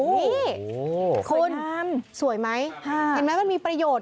นี่คุณสวยไหมเห็นไหมมันมีประโยชน์